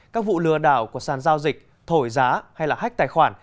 các vụ lừa đảo của sàn giao dịch thổi giá hay hách tài khoản